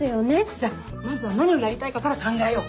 じゃあまずは「何をやりたいか」から考えよう。